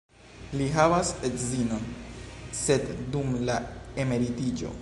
Li havas edzinon, sed dum la emeritiĝo.